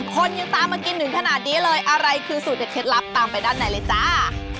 คนยังตามมากินถึงขนาดนี้เลยอะไรคือสูตรเด็ดเคล็ดลับตามไปด้านในเลยจ้า